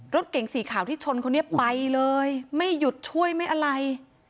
รถเก่งสีขาวที่ชนคนนี้ไปเลยไม่หยุดช่วยไม่อะไร